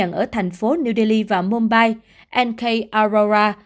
từ ghi nhận ở thành phố new delhi và mumbai n k arora